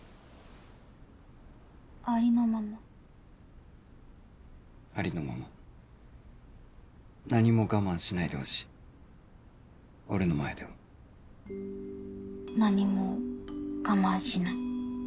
ありのままありのまま何も我慢しないでほしい俺の前では何も我慢しない